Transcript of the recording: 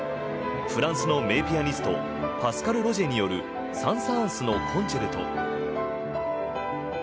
フランスの名ピアニストパスカル・ロジェによるサン・サーンスのコンチェルト。